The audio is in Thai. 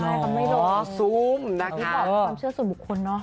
นี่แบบความเชื่อสุดบุคคลเนอะ